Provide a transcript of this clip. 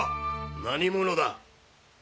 何者だ？